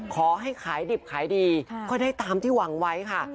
ขอให้ขายดิบขายดีก็ได้ตามที่หวังไว้ค่ะ